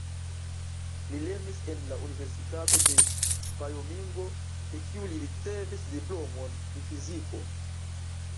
Li lernis en la Universitato de Vajomingo, ĉe kiu li ricevis diplomon pri fiziko.